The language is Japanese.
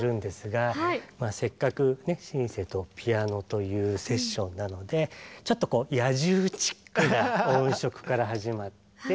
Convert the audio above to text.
せっかくねシンセとピアノというセッションなのでちょっと野獣チックな音色から始まって。